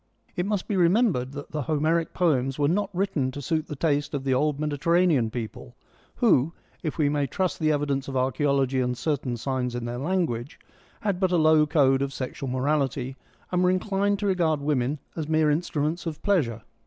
It must be remembered that the Homeric poems were not written to suit the taste of the old Mediter ranean people, who, if we may trust the evidence of archaeology and certain signs in their language, had but a low code of sexual morality, and were inclined to regard women as mere instruments of pleasure.